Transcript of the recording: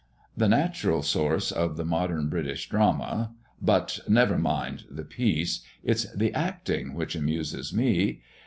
"The natural source of the modern British drama. But never mind the piece; it's the acting which amuses me.